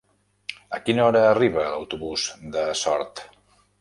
A quina hora arriba l'autobús de Sort?